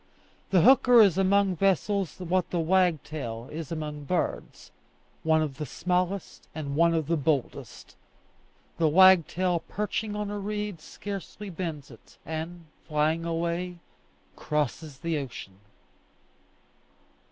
The hooker is among vessels what the wagtail is among birds one of the smallest and one of the boldest. The wagtail perching on a reed scarcely bends it, and, flying away, crosses the ocean.